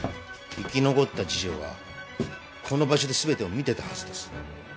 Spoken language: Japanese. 生き残った次女はこの場所ですべてを見てたはずです。